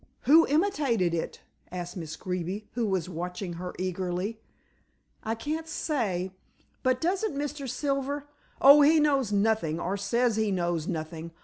"Who imitated it?" asked Miss Greeby, who was watching her eagerly. "I can't say. But doesn't Mr. Silver " "Oh, he knows nothing, or says that he knows nothing.